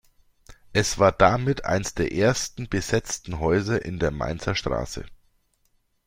Es war damit eins der ersten besetzten Häuser in der Mainzer Straße.